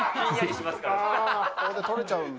これで取れちゃうんだ。